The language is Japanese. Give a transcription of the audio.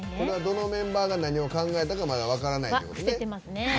どのメンバーが何を考えたかはまだ分からないんですよね。